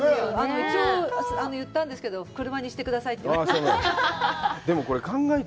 一応言ったんですけど、車にしてくださいって言われて。